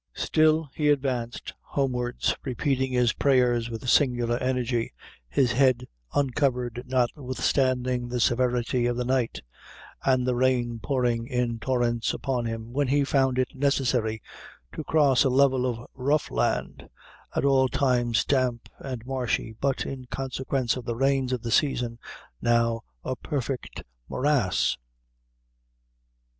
Still he advanced homewards, repeating his prayers with singular energy, his head uncovered notwithstanding the severity of the night, and the rain pouring in torrents upon him, when he found it necessary to cross a level of rough land, at all times damp and marshy, but in consequence of the rains of the season, now a perfect morass.